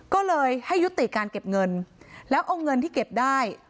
ก็เลยให้ยุติการเก็บเงินแล้วเอาเงินที่เก็บได้